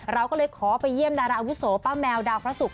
เราก็เลยขอไปเยี่ยมดาราอาวุโสป้าแมวดาวพระศุกร์